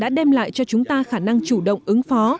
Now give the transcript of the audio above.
đã đem lại cho chúng ta khả năng chủ động ứng phó